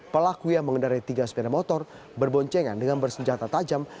pelaku yang mengendarai tiga sepeda motor berboncengan dengan bersenjata tajam